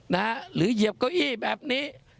หรือเหยียบเก้าอี้แบบนี้